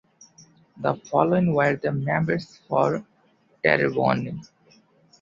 The following were the members for Terrebonne.